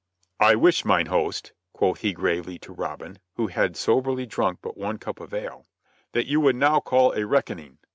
"I wish, mine host," said he, gravely, to Robin, who had soberly drunk but one cup of ale, "that you would now call a reckoning.